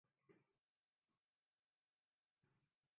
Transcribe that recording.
Blue mountain Lushai পর্বতমালার সর্বোচ্চ শিখর।